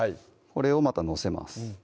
これをまた載せます